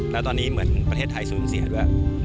แล้วตอนนี้เหมือนประเทศไทยสูญเสียด้วย